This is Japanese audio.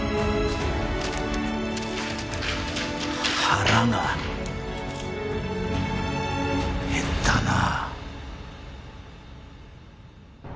腹が減ったな。